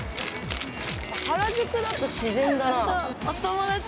原宿だと自然だなあ。